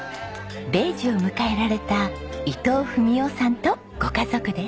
米寿を迎えられた伊藤文雄さんとご家族です。